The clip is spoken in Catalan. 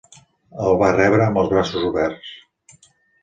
El va rebre amb els braços oberts.